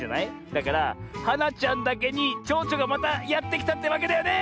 だからはなちゃんだけにちょうちょがまたやってきたってわけだよね！